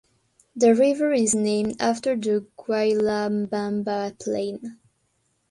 The river is named after the Guayllabamba plain.